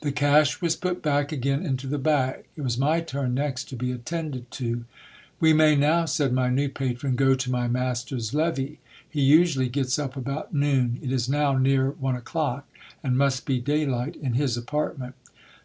The cash was put back again into the bag. It was my turn next to be attended to. We may now, said my new patron, go to my master's levee. He usually gets up about noon, it is now near one o'clock, and must be daylight in his apartment.